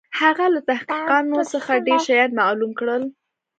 هغه له تحقیقاتو څخه ډېر شيان معلوم کړل.